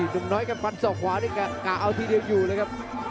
หนุ่มน้อยครับฟันศอกขวานี่กะเอาทีเดียวอยู่เลยครับ